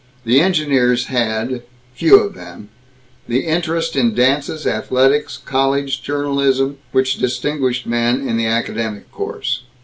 The engineers had few of them the interest in dances, athletics, college journalism, which distinguished the men in the academic course.